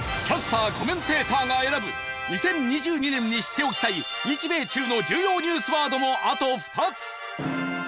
キャスター・コメンテーターが選ぶ２０２２年に知っておきたい日米中の重要ニュースワードもあと２つ。